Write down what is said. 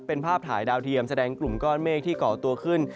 เป็นภาพถ่ายดาวเทียมแสดงกลุ่มก้อนเมฆที่เกาะตัวขึ้น